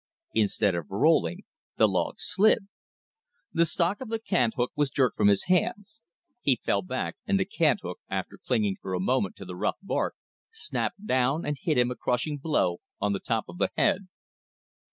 Instead of rolling, the log slid. The stock of the cant hook was jerked from his hands. He fell back, and the cant hook, after clinging for a moment to the rough bark, snapped down and hit him a crushing blow on the top of the head.